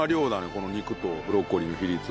この肉とブロッコリーの比率が。